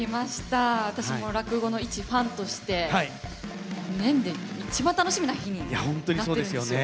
私も落語の一ファンとして年で一番楽しみな日になってるんですよ。